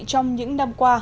trong những năm qua